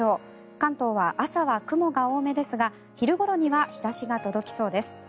関東は朝は雲が多めですが昼ごろには日差しが届きそうです。